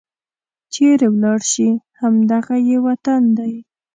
چيرې ولاړې شي؟ همد غه یې وطن دی